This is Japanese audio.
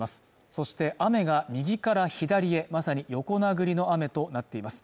そして雨が右から左へまさに横殴りの雨となっています